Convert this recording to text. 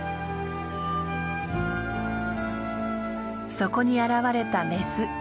そこに現れたメス。